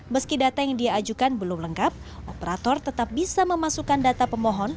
meski data yang dia ajukan belum lengkap operator tetap bisa memasukkan data pemohon